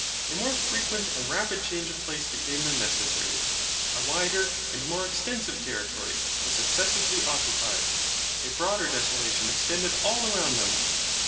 A more frequent and rapid change of place became then necessary. A wider and more extensive territory was successively occupied. A broader desolation extended all around them.